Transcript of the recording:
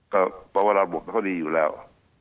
ก็ประวัติบุคคลเขาดีอยู่แล้ว